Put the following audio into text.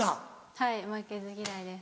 はい負けず嫌いです。